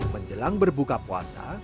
menjelang berbuka puasa